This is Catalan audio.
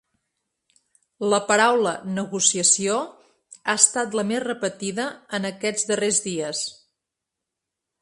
La paraula negociació ha estat la més repetida en aquests darrers dies.